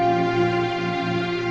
kau mau ngapain